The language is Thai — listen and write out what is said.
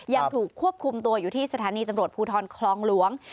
ยังถูกควบคุมตัวอยู่ที่สถานีตำรวจภูทรคลองหลวง